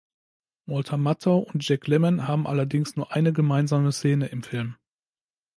Walter Matthau und Jack Lemmon haben allerdings nur eine gemeinsame Szene im Film.